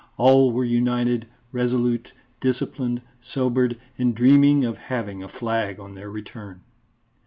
All were united, resolute, disciplined, sobered, and dreaming of having a flag on their return.